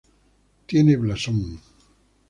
Tiene blasón.